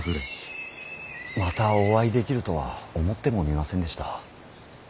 またお会いできるとは思ってもみませんでした。